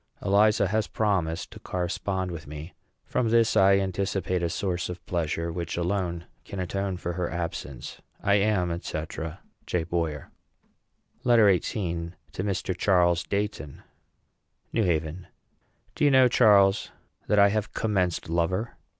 Eliza has promised to correspond with me. From this I anticipate a source of pleasure which alone can atone for her absence. I am, &c., J. BOYER. LETTER XVIII. TO MR. CHARLES DEIGHTON. NEW HAVEN. Do you know, Charles, that I have commenced lover?